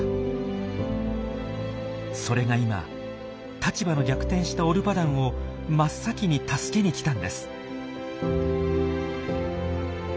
それが今立場の逆転したオルパダンを真っ先に助けに来たんです。